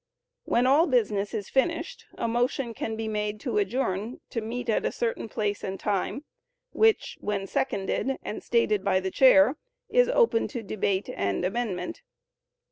When all business is finished, a motion can be made to adjourn to meet at a certain place and time, which, when seconded, and stated by the Chair, is open to debate and amendment.